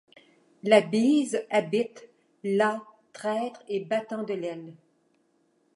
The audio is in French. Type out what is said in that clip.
La bise habite : là, traître et battant de l’aile